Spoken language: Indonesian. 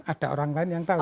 ada orang lain yang tahu